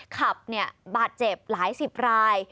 ขับบาดเจ็บหลายสิบราย